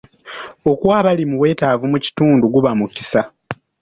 Okuwa abali mu bwetaavu mu kitundu guba mukisa.